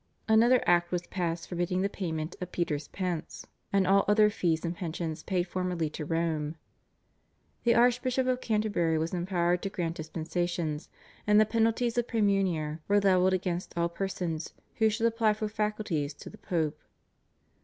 Another Act was passed forbidding the payment of Peter's Pence and all other fees and pensions paid formerly to Rome. The Archbishop of Canterbury was empowered to grant dispensations, and the penalties of Praemunire were levelled against all persons who should apply for faculties to the Pope.